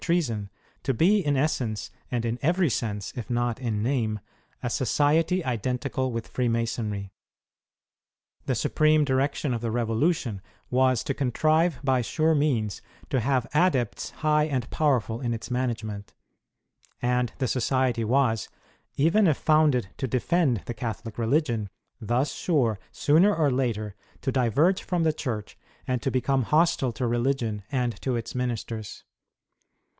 59 treason, to be, in essence, and in every sense, if not in name, a society identical Avitli Freemasonry. The supreme direction of the Revolution was to contrive by sure means to have adepts high and powerful in its management ; and the society was, even if founded to defend the Catholic religion, thus sure, sooner or later, to diverge from the Church and to become hostile to religion and to its ministers.